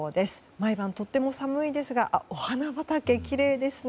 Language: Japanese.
毎晩とても寒いですがお花畑、きれいですね。